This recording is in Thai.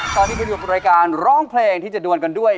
ตอนนี้ไปอยู่กับรายการร้องเพลงที่จะดวนกันด้วย